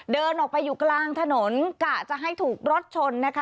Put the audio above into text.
เดินออกไปอยู่กลางถนนกะจะให้ถูกรถชนนะคะ